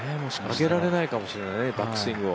上げられないかもしれないね、バックスイングを。